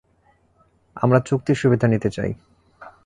আমরা চুক্তির সুবিধা নিতে চাই।